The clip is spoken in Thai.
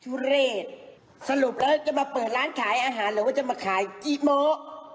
ทุเรศสรุปแล้วจะมาเปิดร้านขายอาหารหรือว่าจะมาขายจีโมะ